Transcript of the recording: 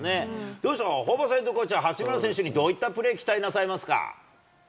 どうでしょう、ホーバスヘッドコーチは八村選手にどういったプレー、期待なさい